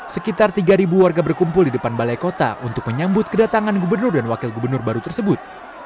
sekitar tiga warga berkumpul di depan balai kota untuk menyambut kedatangan gubernur dan wakil gubernur baru tersebut